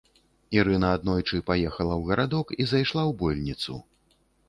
Ірына аднойчы паехала ў гарадок і зайшла ў больніцу.